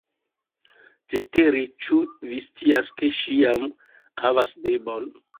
Cetere, ĉu vi scias, ke ŝi jam havas bebon?